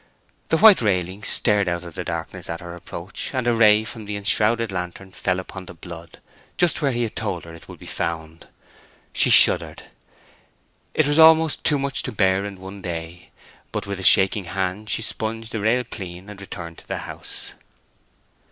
The white railing stared out in the darkness at her approach, and a ray from the enshrouded lantern fell upon the blood—just where he had told her it would be found. She shuddered. It was almost too much to bear in one day—but with a shaking hand she sponged the rail clean, and returned to the house.